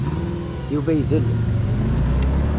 Yuba idel.